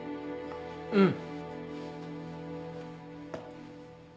うん。